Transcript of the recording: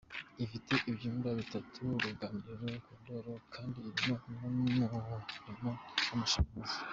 Ifite ibyumba bitatu, uruganiriro, korodori kandi irimo n’umuriro w’amashanyarazi.